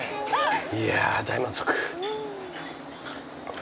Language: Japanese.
いやあ大満足。